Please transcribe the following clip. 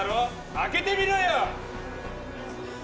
開けてみろよ！